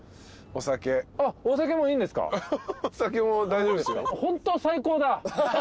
お酒も大丈夫ですよ。